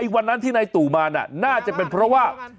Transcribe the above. วันนั้นที่นายตู่มาน่าจะเป็นเพราะว่า